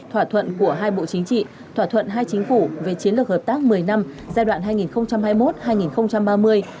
thỏa thuận của hai bộ chính trị thỏa thuận hai chính phủ về chiến lược hợp tác một mươi năm giai đoạn hai nghìn hai mươi một hai nghìn ba mươi